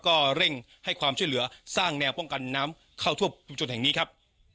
ก็เร่งให้ความช่วยเหลือสร้างแนวป้องกันน้ำเข้าท่วมชุมชนแห่งนี้ครับ